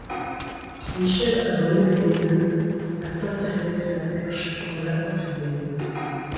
Michel Abonneau est né le à Saint-Yrieix-la-Perche dans la Haute-Vienne.